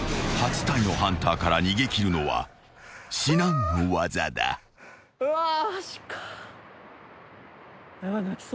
［８体のハンターから逃げ切るのは至難の業だ］うわ。